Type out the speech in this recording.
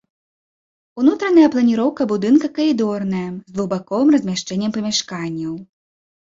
Унутраная планіроўка будынка калідорная, з двухбаковым размяшчэннем памяшканняў.